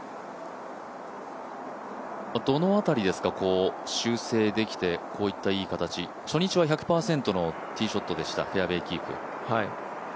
どの辺りですか、修正できてこういったいい形。初日は１００％のティーショットでした、フェアウエーキープ。